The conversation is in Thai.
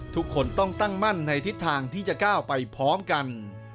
ทุกคนต้องตั้งมั่นในทิศทางที่จะก้าวไปพร้อมกัน